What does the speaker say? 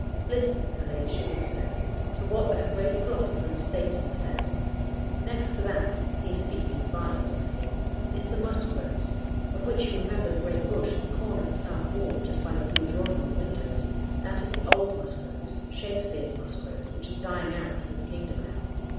"Listen," her ladyship would say, "to what that great philosopher and statesman says. 'Next to that,'—he is speaking of violets, my dear,—'is the musk rose,'—of which you remember the great bush, at the corner of the south wall just by the Blue Drawing room windows; that is the old musk rose, Shakespeare's musk rose, which is dying out through the kingdom now.